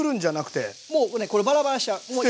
もうねこれバラバラにしちゃう。